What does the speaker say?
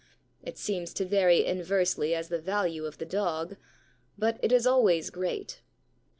It seems to vary inversely as the value of the dog, but it is always great.